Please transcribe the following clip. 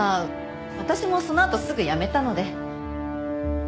私もそのあとすぐ辞めたので。